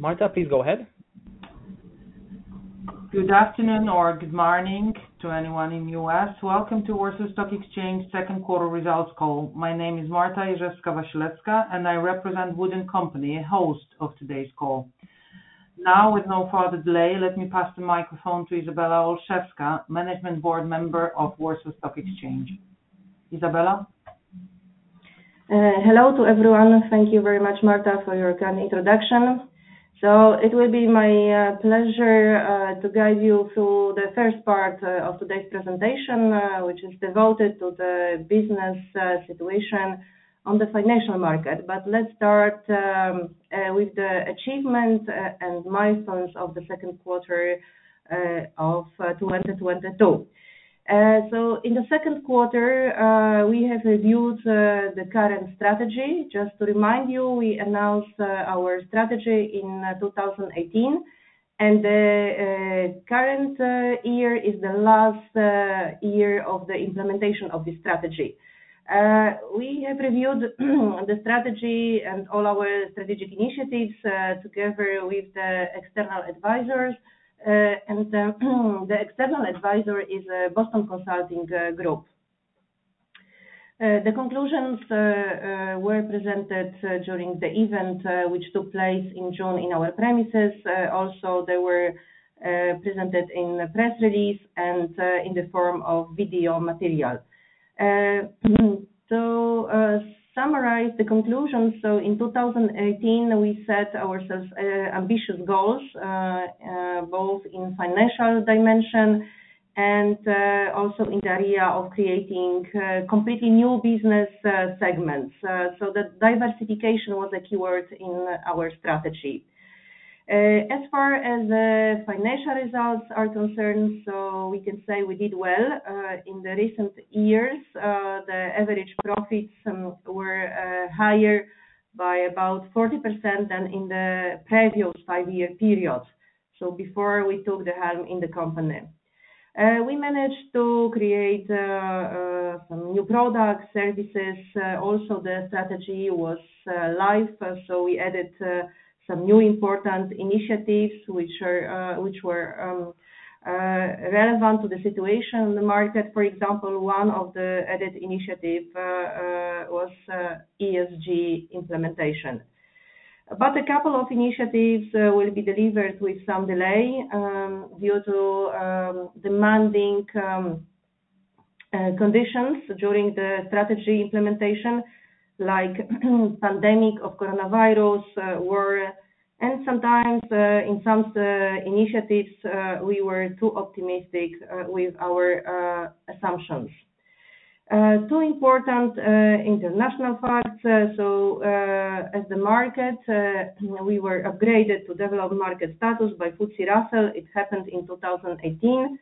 Marta, please go ahead. Good afternoon or good morning to anyone in U.S. Welcome to Warsaw Stock Exchange second quarter results call. My name is Marta Jeżewska-Wasilewska, and I represent WOOD & Company, host of today's call. Now, with no further delay, let me pass the microphone to Izabela Olszewska, Member of the Management Board, Warsaw Stock Exchange. Izabela. Hello to everyone. Thank you very much, Marta, for your kind introduction. It will be my pleasure to guide you through the first part of today's presentation, which is devoted to the business situation on the financial market. Let's start with the achievements and milestones of the second quarter of 2022. In the second quarter, we have reviewed the current strategy. Just to remind you, we announced our strategy in 2018, and current year is the last year of the implementation of this strategy. We have reviewed the strategy and all our strategic initiatives together with the external advisors. The external advisor is Boston Consulting Group. The conclusions were presented during the event which took place in June in our premises. Also they were presented in a press release and in the form of video material. To summarize the conclusions. In 2018, we set ourselves ambitious goals both in financial dimension and also in the area of creating completely new business segments. The diversification was a keyword in our strategy. As far as the financial results are concerned, we can say we did well. In the recent years, the average profits were higher by about 40% than in the previous five-year period, before we took the helm in the company. We managed to create some new products, services. Also the strategy was live, so we added some new important initiatives which were relevant to the situation in the market. For example, one of the added initiative was ESG implementation. A couple of initiatives will be delivered with some delay, due to demanding conditions during the strategy implementation, like pandemic of coronavirus, war. Sometimes in some initiatives we were too optimistic with our assumptions. Two important international parts. As the market, we were upgraded to developed market status by FTSE Russell. It happened in 2018.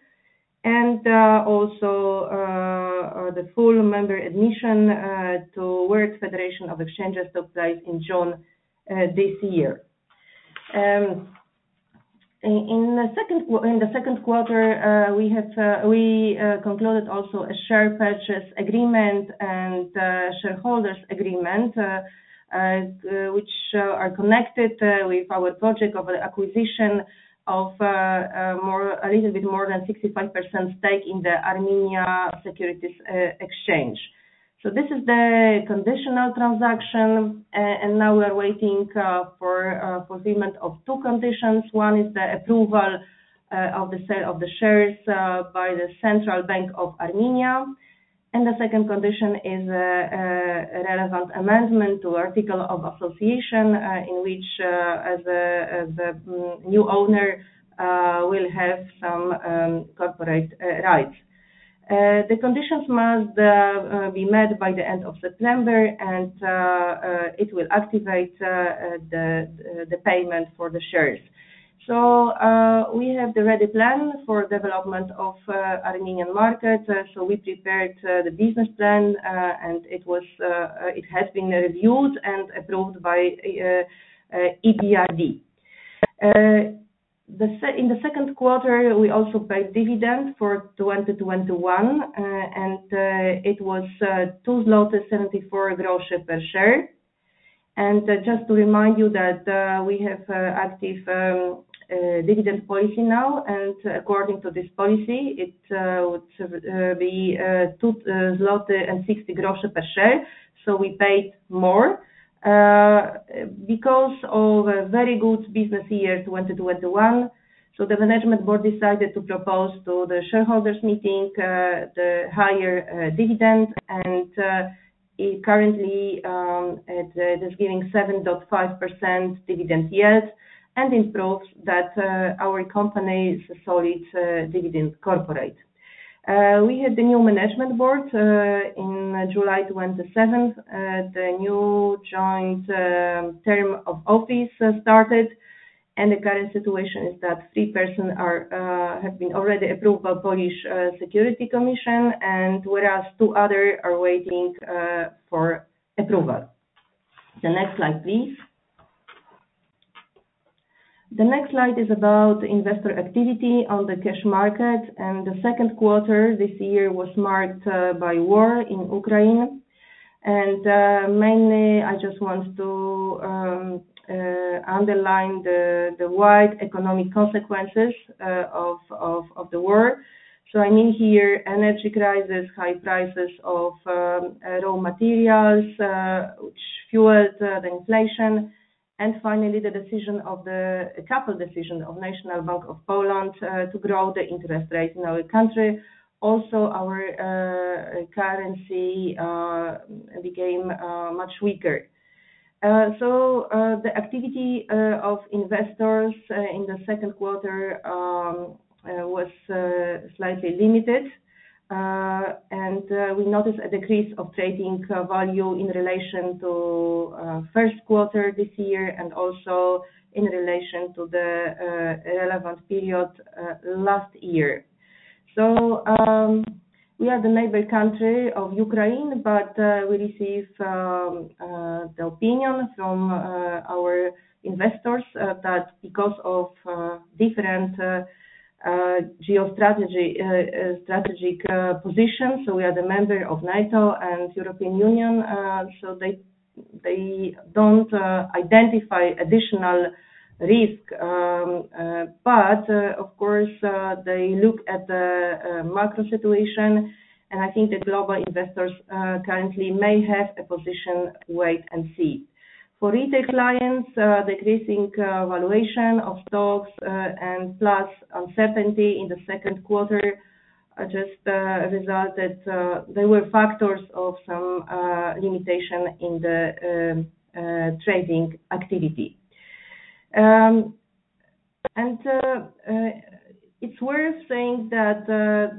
Also the full member admission to World Federation of Exchanges took place in June this year. In the second quarter, we have concluded also a share purchase agreement and shareholders agreement, which are connected with our project of acquisition of a little bit more than 65% stake in the Armenia Securities Exchange. This is the conditional transaction. Now we are waiting for fulfillment of two conditions. One is the approval of the sale of the shares by the Central Bank of Armenia. The second condition is a relevant amendment to article of association, in which, as a new owner, will have some corporate rights. The conditions must be met by the end of September, and it will activate the payment for the shares. We have the ready plan for development of Armenian market. We prepared the business plan, and it has been reviewed and approved by EBRD. In the second quarter, we also paid dividend for 2021, and it was 2.74 zlotys per share. Just to remind you that we have active dividend policy now. According to this policy, it would be 2.60 zloty per share, so we paid more because of a very good business year, 2021. The management board decided to propose to the shareholders meeting the higher dividend. It currently is giving 7.5% dividend yield, and it proves that our company is a solid dividend corporate. We had the new management board in July 27th. The new joint term of office started. The current situation is that three person have been already approved by Polish Financial Supervision Authority, and whereas two other are waiting for approval. The next slide, please. The next slide is about investor activity on the cash market, and the second quarter this year was marked by war in Ukraine. Mainly I just want to underline the wide economic consequences of the war. I mean, here energy crisis, high prices of raw materials, which fuels the inflation, and finally a couple decisions of National Bank of Poland to grow the interest rate in our country. Also our currency became much weaker. The activity of investors in the second quarter was slightly limited. We noticed a decrease of trading value in relation to first quarter this year and also in relation to the relevant period last year. We are the neighbor country of Ukraine, but we receive the opinion from our investors that because of different strategic position, we are the member of NATO and European Union, so they don't identify additional risk. Of course, they look at the micro situation, and I think the global investors currently may have a wait-and-see position. For retail clients, decreasing valuation of stocks and plus uncertainty in the second quarter just resulted. They were factors of some limitation in the trading activity. It's worth saying that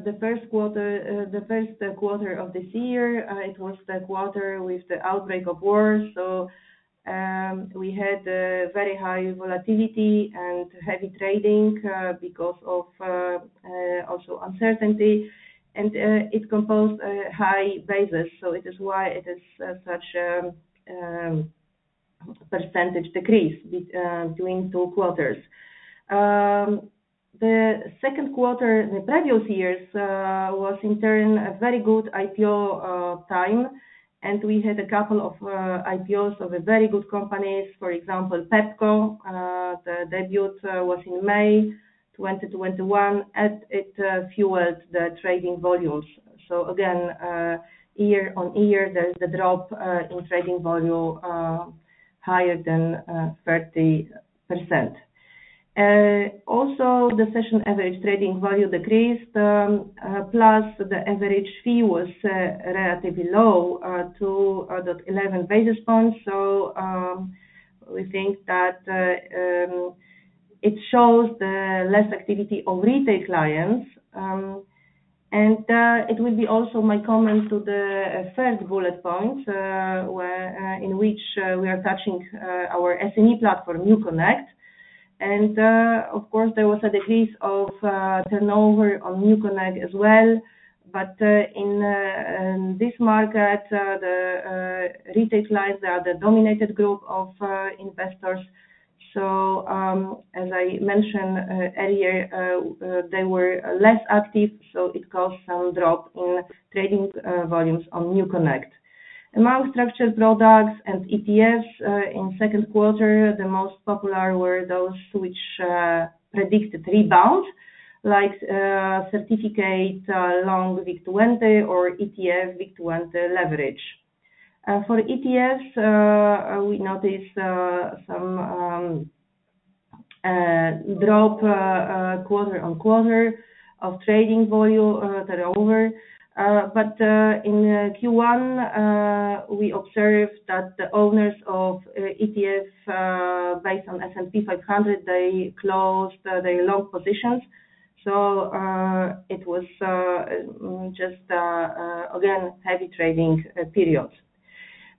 the first quarter of this year, it was the quarter with the outbreak of war. We had very high volatility and heavy trading because of also uncertainty. It composed a high basis, so it is why it is such a percentage decrease between two quarters. The second quarter the previous years was in turn a very good IPO time, and we had a couple of IPOs of a very good companies. For example, Pepco the debut was in May 2021, and it fueled the trading volumes. Again year-on-year, there is a drop in trading volume higher than 30%. Also the session average trading value decreased plus the average fee was relatively low 2.11 basis points. We think that it shows the less activity of retail clients. It would be also my comment to the first bullet point, where in which we are touching our SME platform, NewConnect. Of course, there was a decrease of turnover on NewConnect as well. In this market, the retail clients are the dominant group of investors. As I mentioned earlier, they were less active, so it caused some drop in trading volumes on NewConnect. Among structured products and ETFs, in second quarter, the most popular were those which predicted rebound, like, certificate long WIG20 or ETF WIG20 Leverage. For ETFs, we noticed some drop quarter on quarter of trading volume turnover. In Q1, we observed that the owners of ETFs based on S&P 500, they closed their long positions. It was just again heavy trading periods.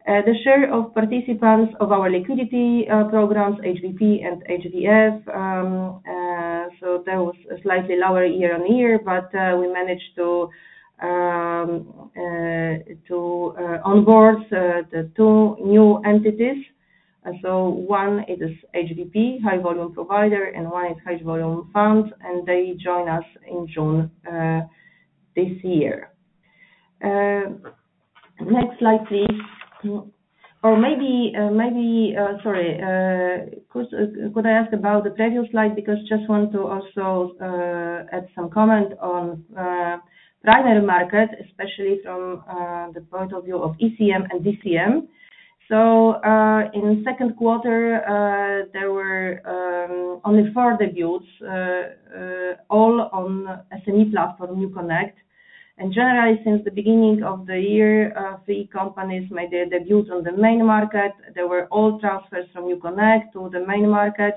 The share of participants of our liquidity programs, HVP and HVF, that was slightly lower year-over-year, but we managed to onboard the two new entities. One is HVP, high volume provider, and one is high volume funds, and they join us in June this year. Next slide, please. Or maybe, sorry, could I ask about the previous slide? Because just want to also add some comment on primary market, especially from the point of view of ECM and DCM. In second quarter, there were only four debuts, all on SME platform, NewConnect. Generally, since the beginning of the year, three companies made their debuts on the main market. They were all transfers from NewConnect to the main market,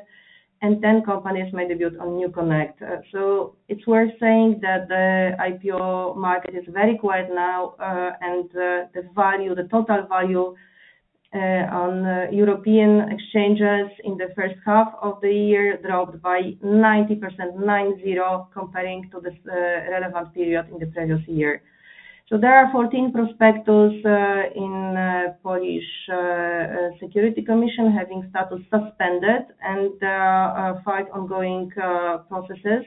and 10 companies made debut on NewConnect. It's worth saying that the IPO market is very quiet now, and the total value on European exchanges in the first half of the year dropped by 90%, 90, compared to this relevant period in the previous year. There are 14 prospectuses in Polish Securities Commission having started suspended and five ongoing processes.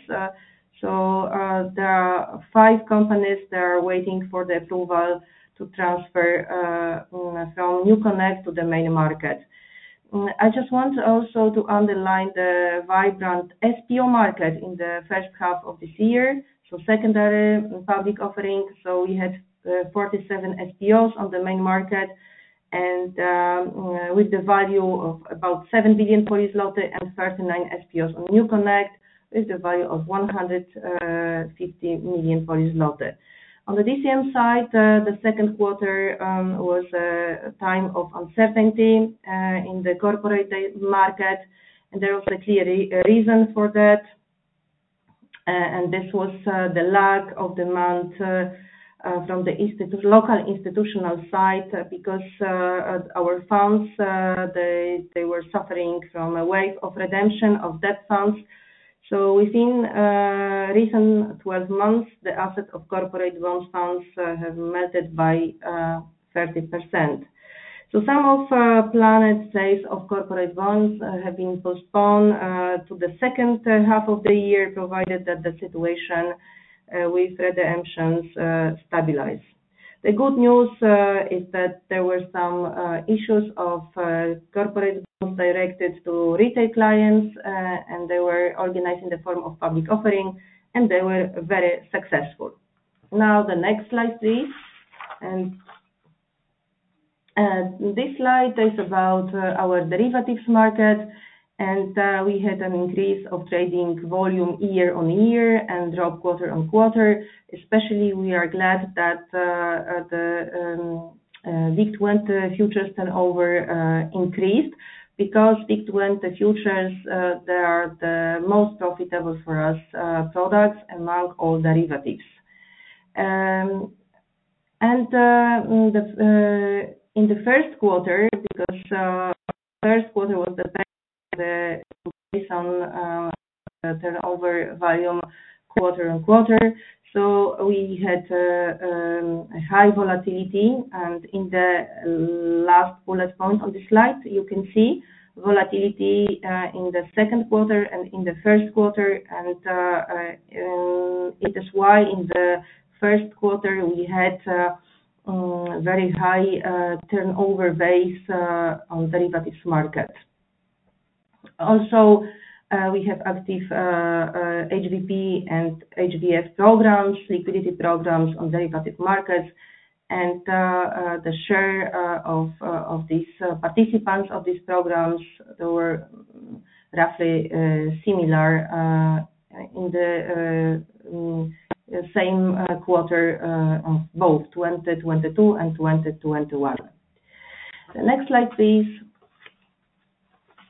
There are five companies that are waiting for the approval to transfer from NewConnect to the main market. I just want to also to underline the vibrant SPO market in the first half of this year. Secondary public offering. We had 47 SPOs on the main market and with the value of about 7 billion and 39 SPOs on NewConnect with the value of 150 million. On the DCM side, the second quarter was a time of uncertainty in the corporate market, and there was a clear reason for that. This was the lack of demand from the institutional side because our funds they were suffering from a wave of redemption of debt funds. Within recent 12 months, the assets of corporate loan funds have melted by 30%. Some of planned sales of corporate bonds have been postponed to the second half of the year, provided that the situation with redemptions stabilize. The good news is that there were some issues of corporate bonds directed to retail clients and they were organized in the form of public offering, and they were very successful. Now, the next slide, please. This slide is about our derivatives market. We had an increase of trading volume year-on-year and drop quarter-on-quarter. Especially, we are glad that the WIG20 futures turnover increased because WIG20 futures they are the most profitable for us products among all derivatives. In the first quarter, the first quarter was the time of the turnover volume quarter-on-quarter. We had a high volatility. In the last bullet point on the slide, you can see volatility in the second quarter and in the first quarter. It is why in the first quarter, we had very high turnover base on derivatives market. We have active HVP and HVS programs, liquidity programs on derivatives markets. The share of these participants of these programs, they were roughly similar in the same quarter of both 2022 and 2021. The next slide, please.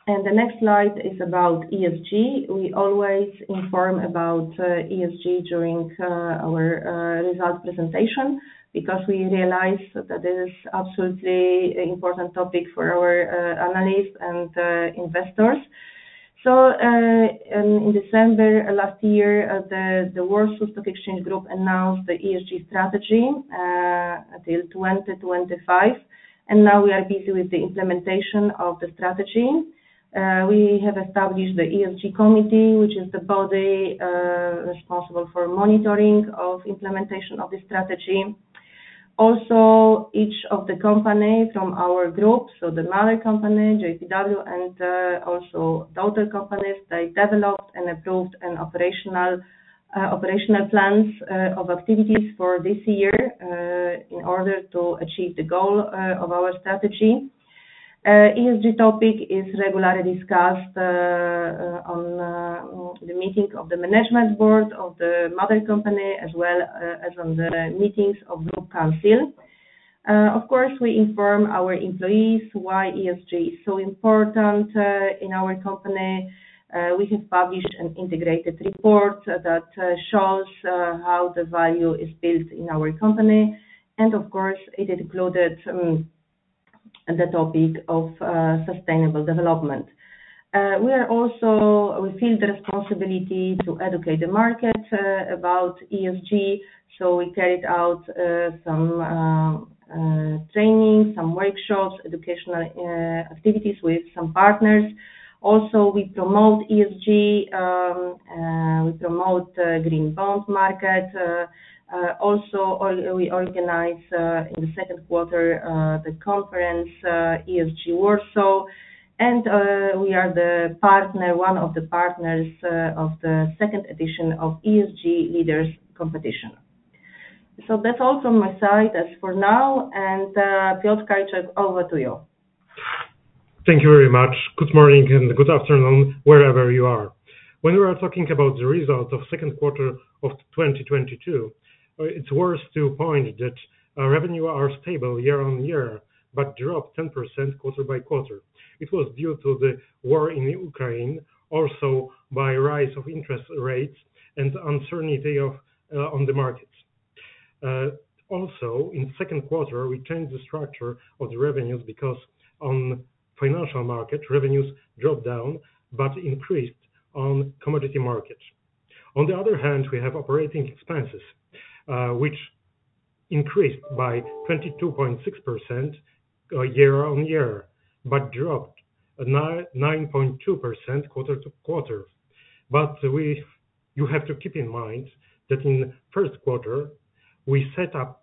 The next slide is about ESG. We always inform about ESG during our results presentation because we realize that it is absolutely important topic for our analysts and investors. In December last year, the Warsaw Stock Exchange Group announced the ESG strategy until 2025, and now we are busy with the implementation of the strategy. We have established the ESG committee, which is the body responsible for monitoring of implementation of the strategy. Also, each of the company from our group, so the mother company, GPW, and also daughter companies, they developed and approved an operational plans of activities for this year in order to achieve the goal of our strategy. ESG topic is regularly discussed on the meeting of the management board of the parent company, as well as on the meetings of group council. Of course, we inform our employees why ESG is so important in our company. We have published an integrated report that shows how the value is built in our company. Of course, it included the topic of sustainable development. We feel the responsibility to educate the market about ESG, so we carried out some training, some workshops, educational activities with some partners. We promote ESG, we promote green bonds market. Also, we organize in the second quarter the conference ESG Warsaw. We are the partner, one of the partners, of the second edition of ESG Leaders competition. That's all from my side as for now. Piotr Kajczuk, over to you. Thank you very much. Good morning and good afternoon, wherever you are. When we are talking about the result of second quarter of 2022, it's worth to point that our revenue are stable year-on-year, but dropped 10% quarter-on-quarter. It was due to the war in Ukraine, also by rise of interest rates and uncertainty of on the market. Also, in second quarter, we changed the structure of the revenues because on financial market, revenues dropped down but increased on commodity markets. On the other hand, we have operating expenses, which Increased by 22.6% year-over-year, but dropped 9.2% quarter-over-quarter. You have to keep in mind that in first quarter, we set up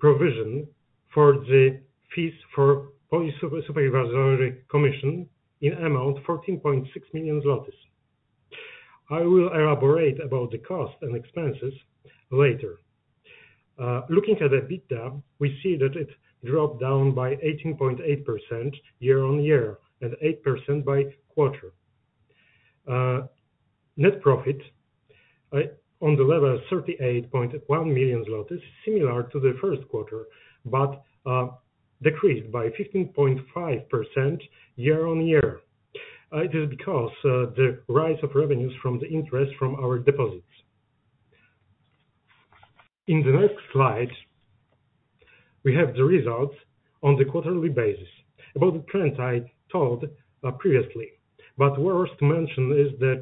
provision for the fees for Polish Financial Supervision Authority in amount 14.6 million zlotys. I will elaborate about the cost and expenses later. Looking at the EBITDA, we see that it dropped down by 18.8% year-over-year, and 8% quarter-over-quarter. Net profit on the level of 38.1 million zlotys, similar to the first quarter, but decreased by 15.5% year-over-year. It is because the rise of revenues from the interest from our deposits. In the next slide, we have the results on the quarterly basis. About the trends, I told previously. Worth to mention is that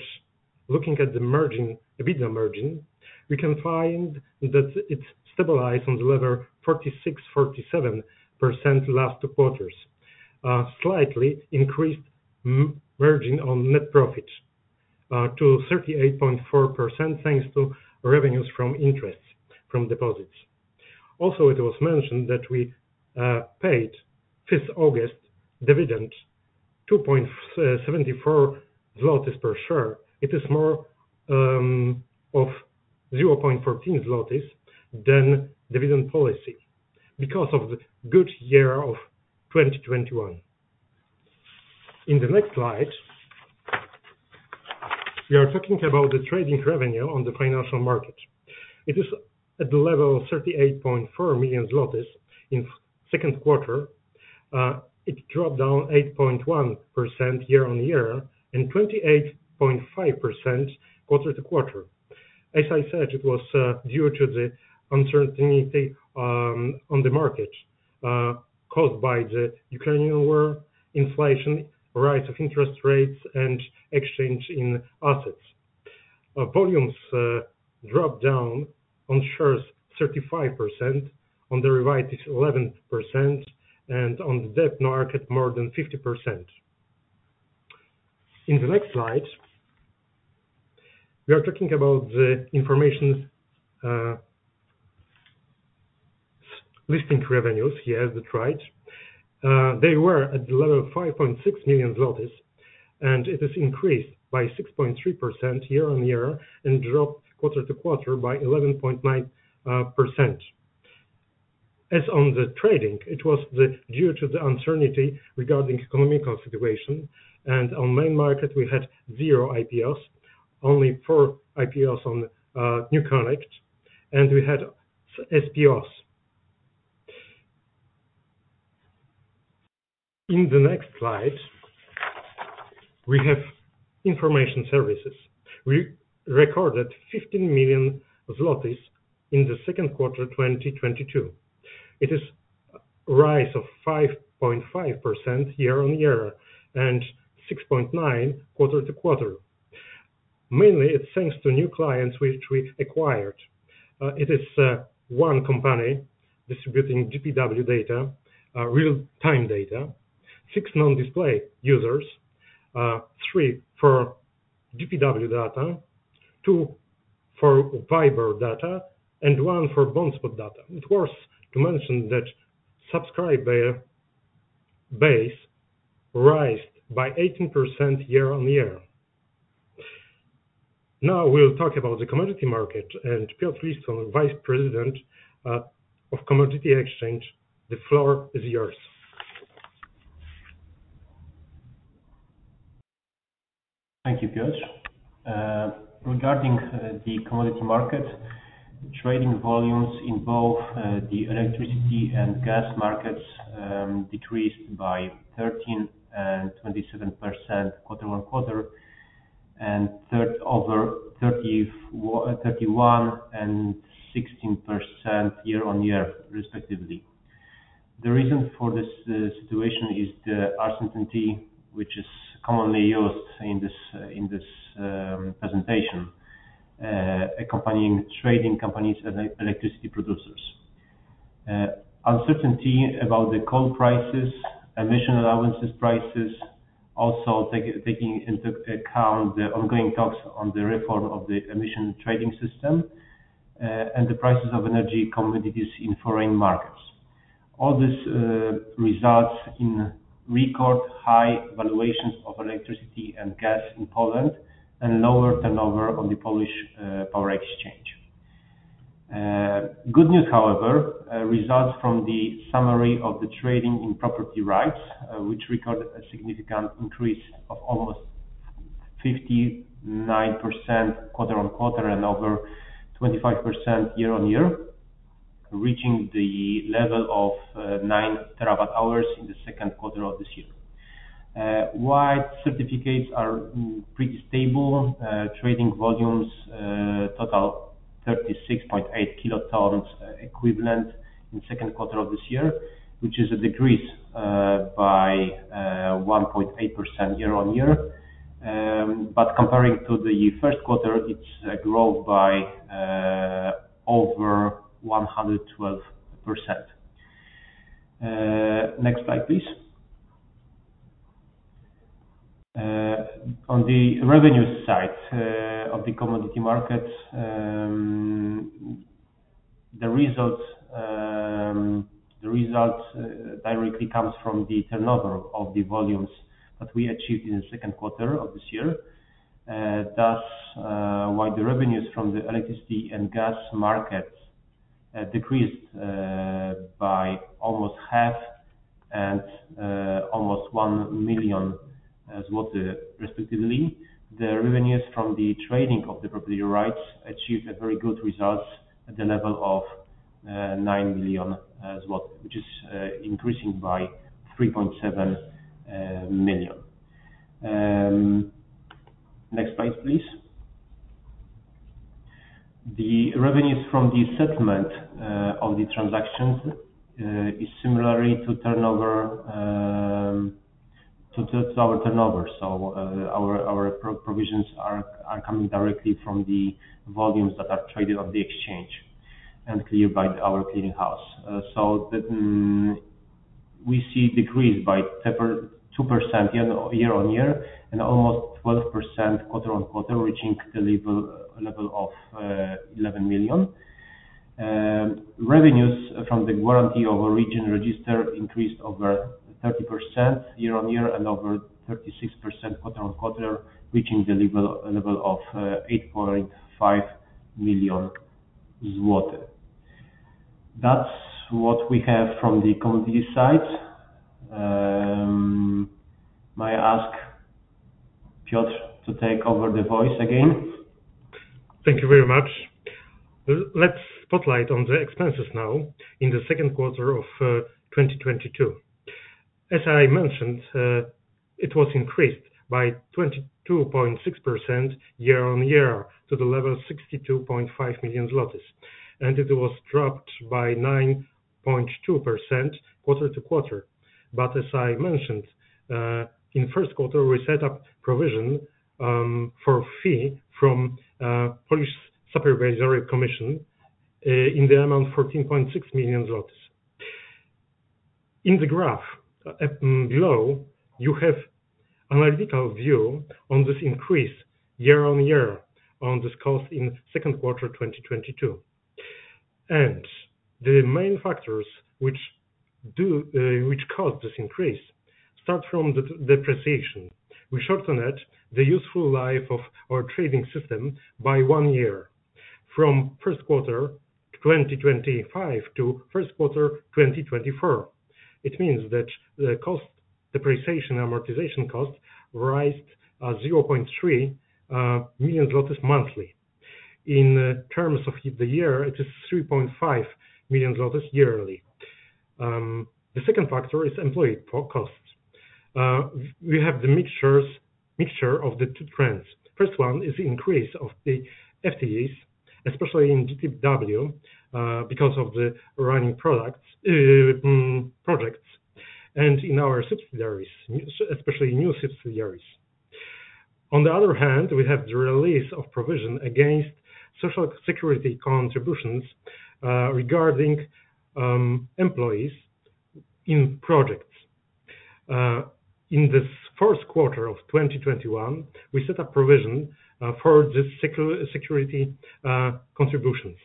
looking at the margin, EBITDA margin, we can find that it stabilized on the level of 46%-47% last quarters. Slightly increased margin on net profit to 38.4%, thanks to revenues from interest from deposits. Also, it was mentioned that we paid 5th August dividend 2.74 per share. It is more of 0.14 zlotys than dividend policy because of the good year of 2021. In the next slide, we are talking about the trading revenue on the financial market. It is at the level of 38.4 million zlotys. In second quarter, it dropped down 8.1% year-over-year and 28.5% quarter-over-quarter. As I said, it was due to the uncertainty on the market caused by the Ukrainian war, inflation, rise of interest rates, and exchange in assets. Volumes dropped down on shares 35%, on derivatives 11%, and on the debt market more than 50%. In the next slide, we are talking about the listing revenues. Yes, that's right. They were at the level of 5.6 million zlotys, and it is increased by 6.3% year-over-year and dropped quarter-over-quarter by 11.9%. As for trading, it was due to the uncertainty regarding economic situation and on Main Market we had 0 IPOs, only four IPOs on NewConnect, and we had SPOs. In the next slide, we have information services. We recorded 15 million zlotys in the second quarter 2022. It is rise of 5.5% year-on-year and 6.9% quarter-to-quarter. Mainly, it's thanks to new clients which we acquired. It is one company distributing GPW data, real-time data, six non-display users, three for GPW data, two for Viber data, and one for BondSpot data. It's worth to mention that subscriber base rose by 18% year on year. Now we'll talk about the commodity market and Piotr Listwoń, Vice President of the Polish Power Exchange, the floor is yours. Thank you, Piotr. Regarding the commodity market, trading volumes in both the electricity and gas markets decreased by 13 and 27% quarter-on-quarter and 31 and 16% year-on-year, respectively. The reason for this situation is the uncertainty which is commonly used in this presentation accompanying trading companies and electricity producers. Uncertainty about the coal prices, emission allowances prices, also taking into account the ongoing talks on the reform of the emission trading system, and the prices of energy commodities in foreign markets. All this results in record high valuations of electricity and gas in Poland and lower turnover on the Polish Power Exchange. Good news, however, results from the summary of the trading in property rights, which recorded a significant increase of almost 59% quarter-on-quarter and over 25% year-on-year, reaching the level of 9 TWh in the second quarter of this year. White certificates are pretty stable. Trading volumes total 36.8 kt equivalent in second quarter of this year, which is a decrease by 1.8% year-on-year. Comparing to the first quarter, it's growth by over 112%. Next slide, please. On the revenue side of the commodity market, the results directly comes from the turnover of the volumes that we achieved in the second quarter of this year. While the revenues from the electricity and gas markets decreased by almost half and almost 1 million zloty respectively, the revenues from the trading of the property rights achieved a very good results at the level of 9 million, which is increasing by 3.7 million. Next slide, please. The revenues from the settlement of the transactions is similarly to turnover to our turnover. Our provisions are coming directly from the volumes that are traded on the exchange and cleared by our clearing house. We see decreased by 2% year-on-year and almost 12% quarter-on-quarter, reaching the level of 11 million. Revenues from the guarantee of origin register increased over 30% year-on-year and over 36% quarter-on-quarter, reaching the level of 8.5 million zloty. That's what we have from the commodity side. May I ask Piotr to take over the voice again? Thank you very much. Let's spotlight on the expenses now in the second quarter of 2022. As I mentioned, it was increased by 22.6% year on year to the level of 62.5 million zlotys. It was dropped by 9.2% quarter to quarter. As I mentioned, in first quarter, we set up provision for fine from Polish Financial Supervision Authority in the amount 14.6 million. In the graph below, you have analytical view on this increase year on year on this cost in second quarter of 2022. The main factors which caused this increase start from the depreciation. We shortened the useful life of our trading system by one year from first quarter 2025 to first quarter 2024. It means that the cost, depreciation, amortization cost, rose 0.3 million zlotys monthly. In terms of the year, it is 3.5 million zlotys yearly. The second factor is employee personnel costs. We have the mixture of the two trends. First one is the increase of the FTEs, especially in GPW, because of the running projects and in our subsidiaries, especially new subsidiaries. On the other hand, we have the release of provision against social security contributions, regarding employees in projects. In the first quarter of 2021, we set up provision for the security contributions.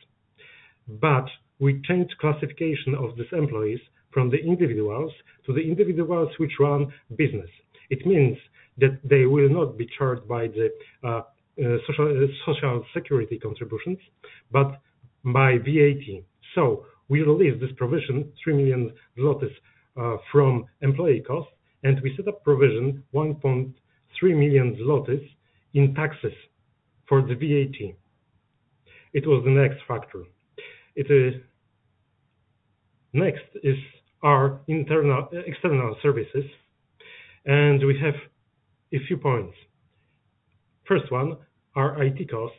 We changed classification of these employees from the individuals to the individuals which run business. It means that they will not be charged by the social security contributions, but by VAT. We relieve this provision, 3 million zlotys, from employee costs, and we set up provision 1.3 million zlotys in taxes for the VAT. It was the next factor. Next is our internal, external services, and we have a few points. First one, our IT costs,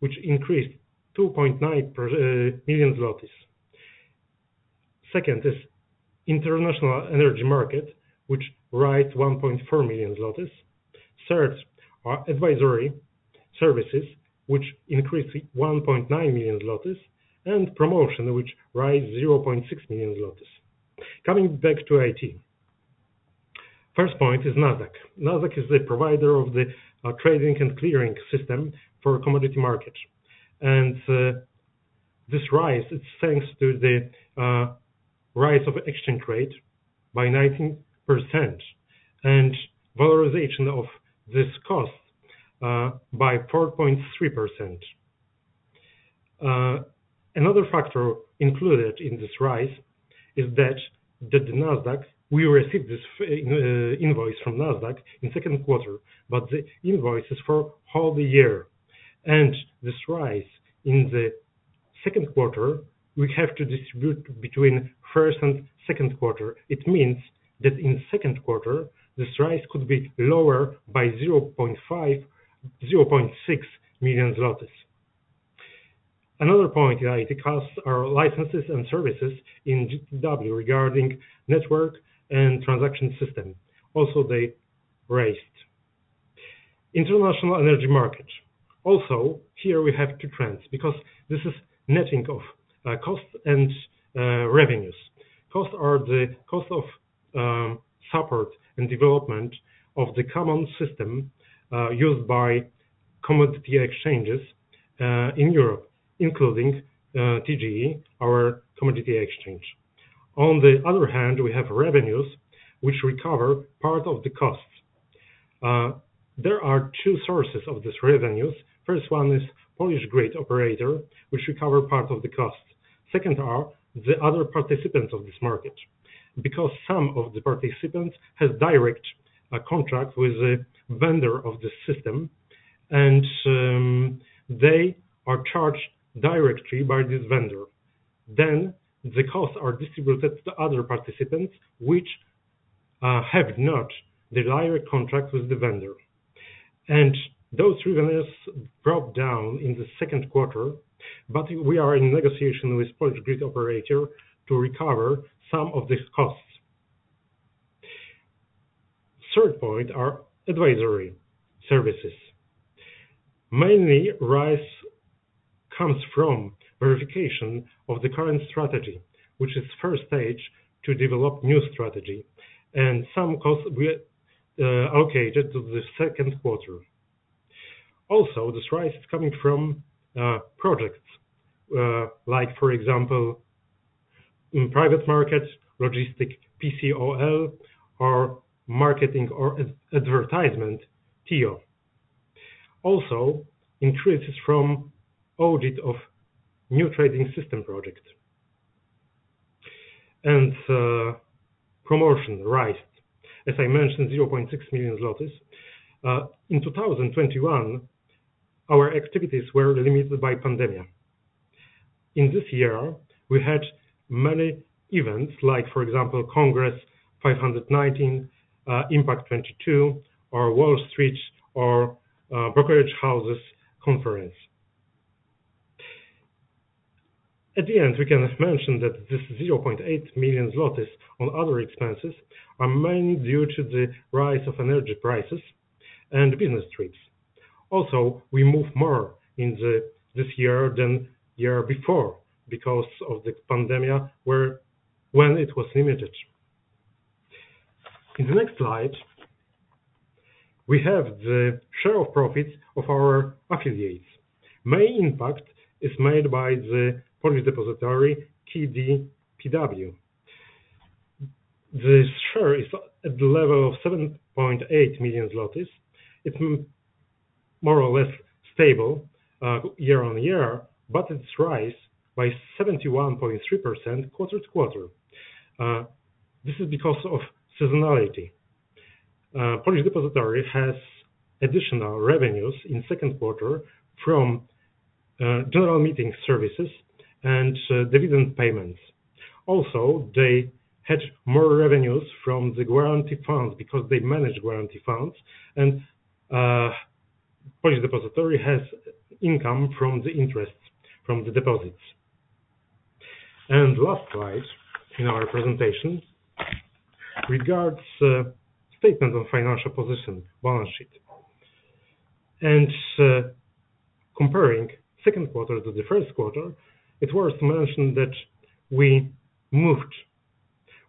which increased 2.9 million zlotys. Second is international energy market, which rose 1.4 million. Third, our advisory services, which increased 1.9 million. And promotion, which rose 0.6 million. Coming back to IT. First point is Nasdaq. Nasdaq is the provider of the trading and clearing system for commodity market. This rise is thanks to the rise of exchange rate by 19% and valorization of this cost by 4.3%. Another factor included in this rise is that the Nasdaq, we received this invoice from Nasdaq in second quarter, but the invoice is for all year. This rise in the second quarter, we have to distribute between first and second quarter. It means that in second quarter, this rise could be lower by 0.5 million-0.6 million zlotys. Another point, IT costs are licenses and services in GPW regarding network and transaction system. Also they raised. International energy market. Also, here we have two trends because this is netting of costs and revenues. Costs are the cost of support and development of the common system used by commodity exchanges in Europe, including TGE, our commodity exchange. On the other hand, we have revenues which recover part of the costs. There are two sources of this revenues. First one is Polish Grid Operator, which recovers part of the costs. Second are the other participants of this market, because some of the participants has direct contract with the vendor of the system and they are charged directly by this vendor. The costs are distributed to other participants, which do not have a direct contract with the vendor. Those revenues dropped down in the second quarter, but we are in negotiation with Polish Grid Operator to recover some of these costs. Third point are advisory services. Mainly rise comes from verification of the current strategy, which is first stage to develop new strategy and some costs we allocated to the second quarter. Also, this rise is coming from projects like for example, in private markets, logistic PCOL or marketing or advertisement TIO. Also increases from audit of new trading system projects. Promotion rise, as I mentioned, 0.6 million zlotys. In 2021, our activities were limited by pandemic. In this year, we had many events like for example, Kongres 590, Impact 2022 or WallStreet Conference or Brokerage Houses Conference. At the end, we can mention that this 0.8 million zlotys on other expenses are mainly due to the rise of energy prices and business trips. Also, we move more this year than year before because of the pandemic when it was limited. In the next slide, we have the share of profits of our affiliates. Main impact is made by the Polish depository, KDPW. The share is at the level of 7.8 million zlotys. It's more or less stable year on year, but it rose by 71.3% quarter to quarter. This is because of seasonality. Polish depository has additional revenues in second quarter from general meeting services and dividend payments. Also, they had more revenues from the guarantee funds because they manage guarantee funds and Polish depository has income from the interest from the deposits. Last slide in our presentation regarding statement of financial position, balance sheet. Comparing second quarter to the first quarter, it's worth to mention that we moved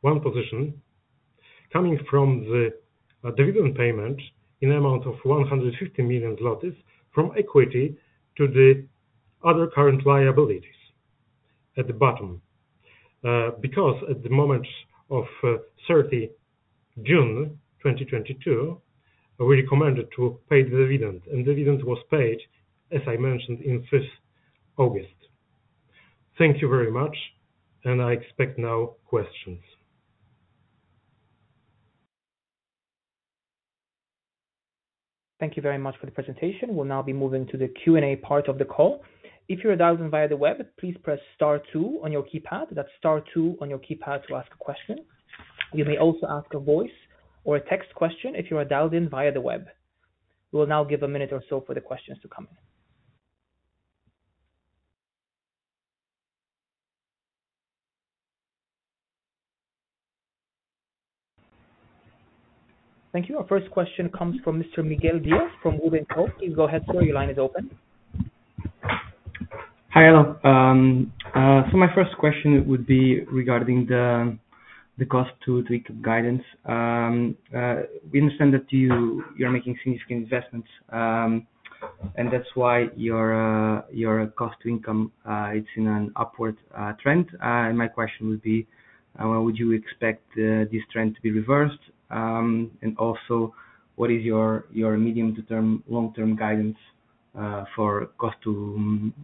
one position coming from the dividend payment in amount of 150 million zlotys from equity to the other current liabilities at the bottom. Because at the moment of 30 June 2022, we recommended to pay the dividend, and dividend was paid, as I mentioned, in 5th August. Thank you very much and I expect now questions. Thank you very much for the presentation. We'll now be moving to the Q and A part of the call. If you're dialed in via the web, please press star two on your keypad. That's star two on your keypad to ask a question. You may also ask a voice or a text question if you are dialed in via the web. We'll now give a minute or so for the questions to come in. Thank you. Our first question comes from Mr. Miguel Dias from WOOD & Company. Please go ahead, sir. Your line is open. Hello. My first question would be regarding the cost-to-income guidance. We understand that you're making significant investments, and that's why your cost-to-income is in an upward trend. My question would be, would you expect this trend to be reversed? Also, what is your long-term guidance for cost-to-income?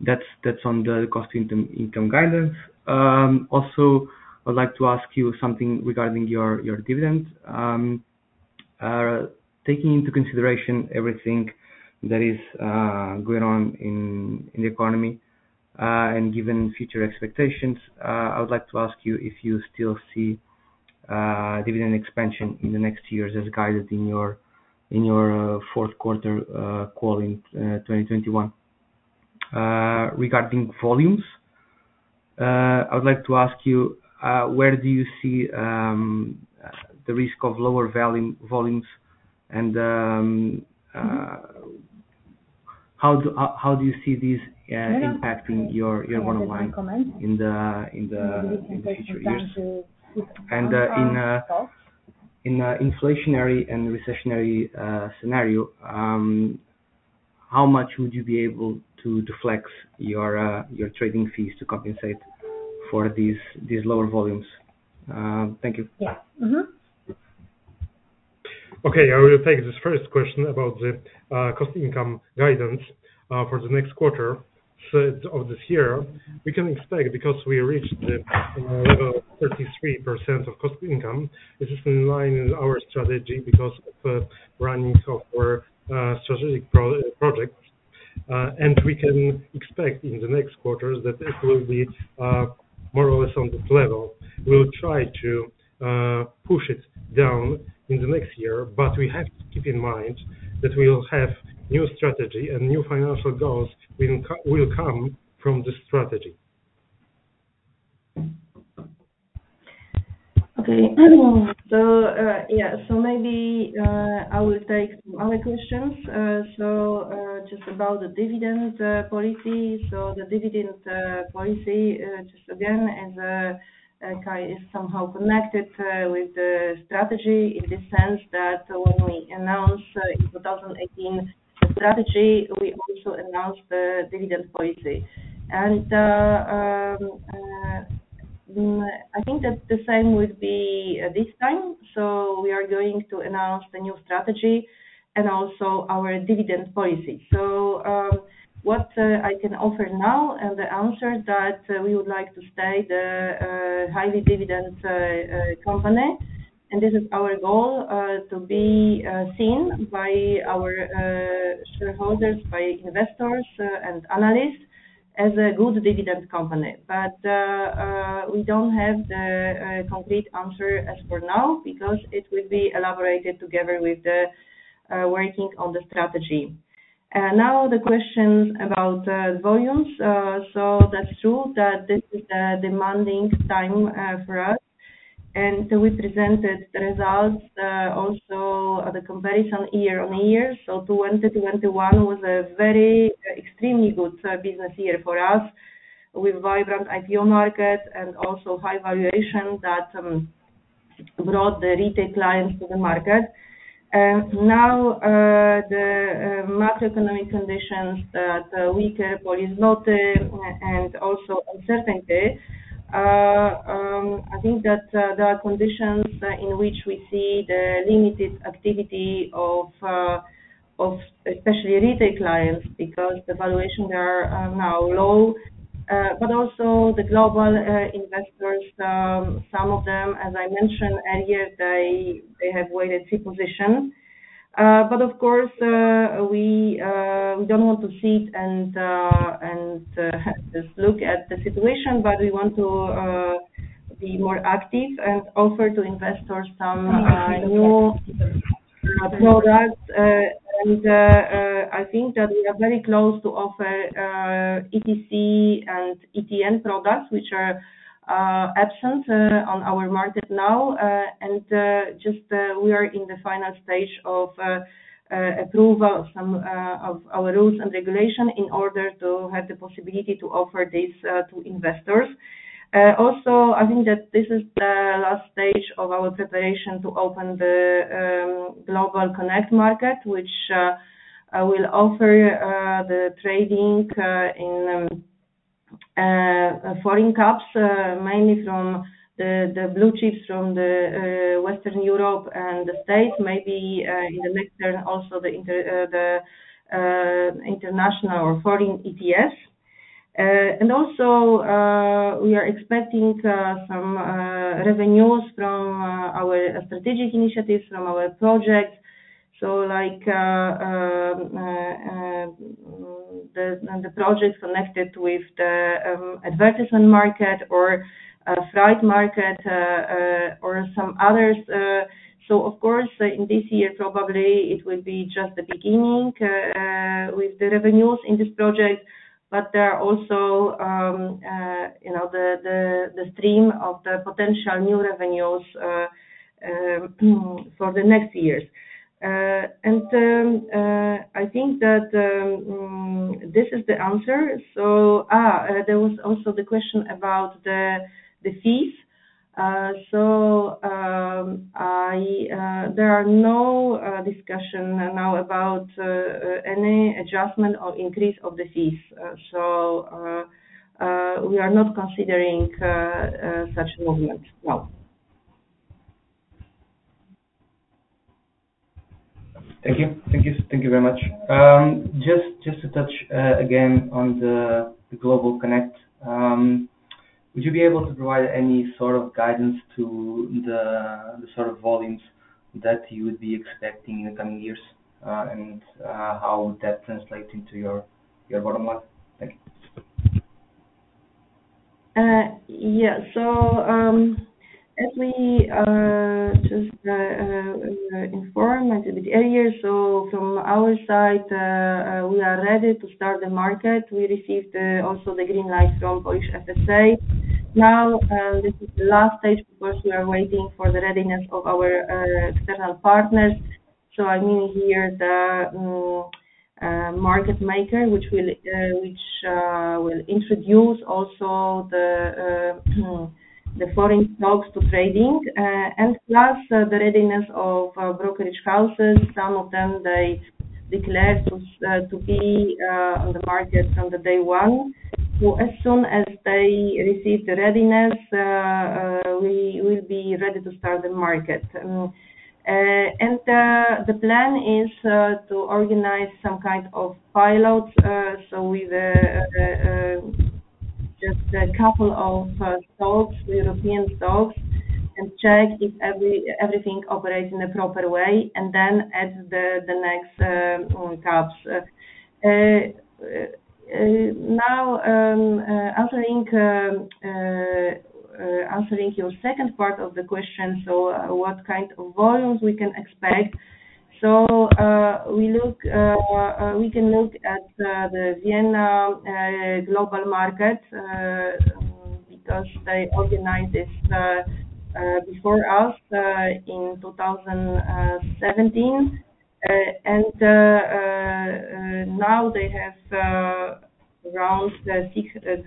That's on the cost-to-income guidance. Also, I'd like to ask you something regarding your dividend. Taking into consideration everything that is going on in the economy, and given future expectations, I would like to ask you if you still see dividend expansion in the next years as guided in your fourth quarter call, 2021. Regarding volumes, I would like to ask you where do you see the risk of lower volumes and how do you see this impacting your revenue in the future years? In an inflationary and recessionary scenario, how much would you be able to adjust your trading fees to compensate for these lower volumes? Thank you. Yeah. Mm-hmm. Okay. I will take this first question about the cost-to-income guidance for the next quarter of this year. We can expect, because we reached the level of 33% cost-to-income. This is in line with our strategy because of running of our strategic project. We can expect in the next quarters that it will be more or less on this level. We'll try to push it down in the next year, but we have to keep in mind that we'll have new strategy and new financial goals will come from this strategy. Okay. Yeah. Maybe I will take some other questions. Just about the dividend policy. The dividend policy just again, as Kai is somehow connected with the strategy in the sense that when we announce in 2018 the strategy, we also announce the dividend policy. I think that the same will be this time. We are going to announce the new strategy and also our dividend policy. What I can offer now, and the answer that we would like to stay the high dividend company. This is our goal to be seen by our shareholders, by investors, and analysts as a good dividend company. We don't have the complete answer as for now because it will be elaborated together with the working on the strategy. Now the question about volumes. That's true that this is a demanding time for us. We presented the results also the comparison year-on-year. 2021 was a very extremely good business year for us with vibrant IPO market and also high valuation that brought the retail clients to the market. Now the macroeconomic conditions that are weaker but is not and also uncertainty. I think that there are conditions in which we see the limited activity of especially retail clients because the valuations are now low. Also the global investors, some of them, as I mentioned earlier, they have wait-and-see position. Of course, we don't want to sit and just look at the situation, we want to be more active and offer to investors some new products. I think that we are very close to offer ETC and ETN products, which are absent on our market now. We are in the final stage of approval of some of our rules and regulations in order to have the possibility to offer this to investors. I think that this is the last stage of our preparation to open the GlobalConnect market, which will offer the trading in foreign caps, mainly from the blue chips from Western Europe and the States, maybe in the mix there, also the international or foreign ETFs. We are expecting some revenues from our strategic initiatives from our projects. Like, the projects connected with the advertisement market or flight market or some others. Of course, in this year, probably it will be just the beginning with the revenues in this project. There are also you know the stream of the potential new revenues for the next years. I think that this is the answer. There was also the question about the fees. There are no discussion now about any adjustment or increase of the fees. We are not considering such movement now. Thank you very much. Just to touch again on the GlobalConnect. Would you be able to provide any sort of guidance to the sort of volumes that you would be expecting in the coming years, and how would that translate into your bottom line? Thank you. Yeah. As we just informed a little bit earlier. From our side, we are ready to start the market. We received also the green light from Polish FSA. Now, this is the last stage because we are waiting for the readiness of our external partners. I mean, here the market maker, which will introduce also the foreign stocks to trading, and plus the readiness of our brokerage houses. Some of them they declared to be on the market on the day one. As soon as they receive the readiness, we will be ready to start the market. The plan is to organize some kind of pilot. With just a couple of stocks, the European stocks, and check if everything operates in a proper way and then add the next caps. Now, answering your second part of the question. What kind of volumes we can expect. We can look at the Vienna global market because they organized this before us in 2017. Now they have around 600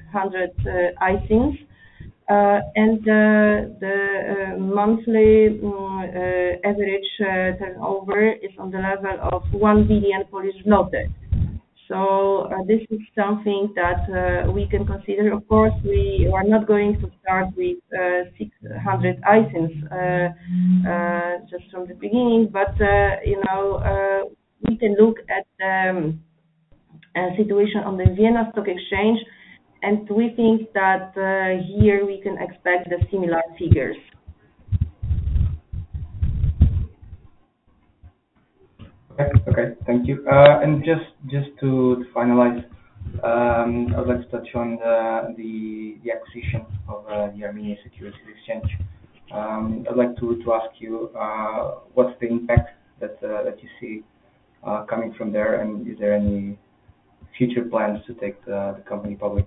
ISINs. The monthly average turnover is on the level of PLN 1 billion. This is something that we can consider. Of course, we are not going to start with 600 ISINs just from the beginning. You know, we can look at situation on the Vienna Stock Exchange, and we think that here we can expect the similar figures. Okay. Thank you. Just to finalize, I'd like to touch on the acquisition of the Armenia Securities Exchange. I'd like to ask you what's the impact that you see coming from there? Is there any future plans to take the company public?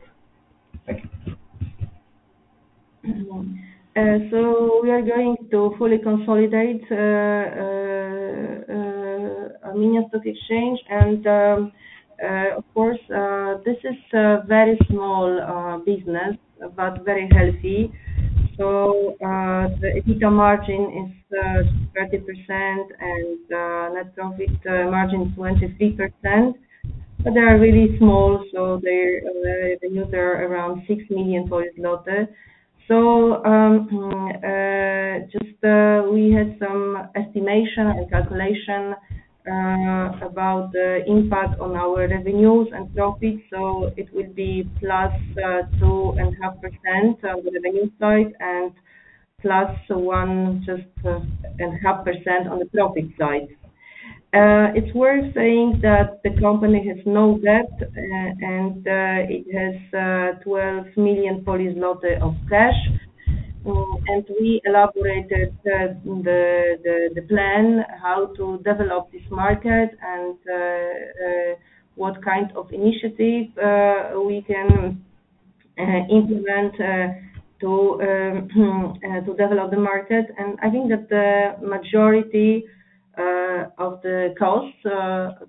Thank you. We are going to fully consolidate Armenia Securities Exchange and, of course, this is a very small business, but very healthy. The EBITDA margin is 30% and net profit margin is 23%, but they are really small, so their revenue are around 6 million. Just, we had some estimation and calculation about the impact on our revenues and profits. It will be +2.5% on the revenue side and +1.5% on the profit side. It's worth saying that the company has no debt and it has 12 million of cash. We elaborated the plan how to develop this market and what kind of initiative we can implement to develop the market. I think that the majority of the costs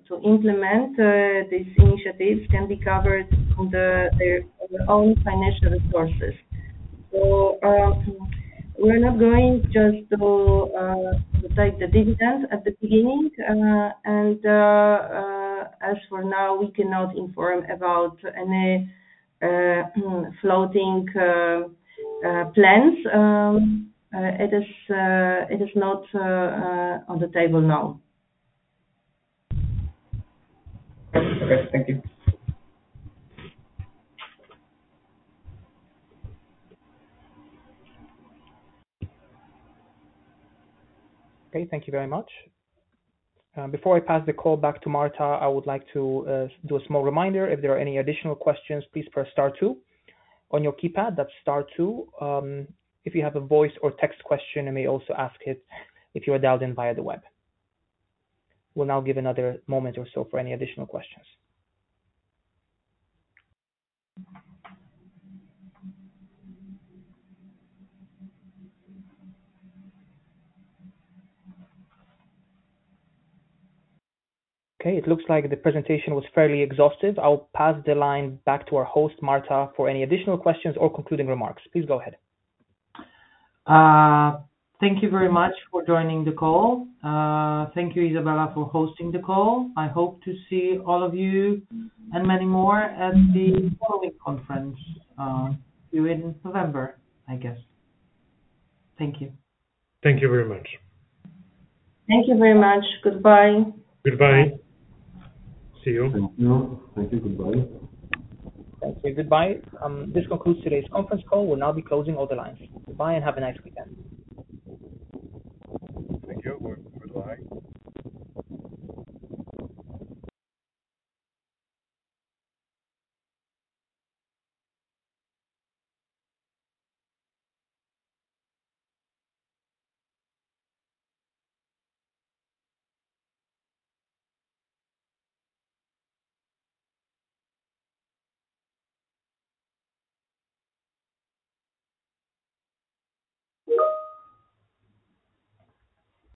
to implement these initiatives can be covered from their own financial resources. We're not going just to take the dividends at the beginning. As for now, we cannot inform about any floating plans. It is not on the table now. Okay. Thank you. Okay. Thank you very much. Before I pass the call back to Marta, I would like to do a small reminder. If there are any additional questions, please press star two on your keypad. That's star two. If you have a voice or text question, you may also ask it if you are dialed in via the web. We'll now give another moment or so for any additional questions. Okay. It looks like the presentation was fairly exhaustive. I'll pass the line back to our host, Marta, for any additional questions or concluding remarks. Please go ahead. Thank you very much for joining the call. Thank you, Izabela Olszewska, for hosting the call. I hope to see all of you and many more at the following conference, due in November, I guess. Thank you. Thank you very much. Thank you very much. Goodbye. Goodbye. See you. Thank you. Thank you. Goodbye. Thank you. Goodbye. This concludes today's conference call. We'll now be closing all the lines. Goodbye, and have a nice weekend. Thank you. Goodbye.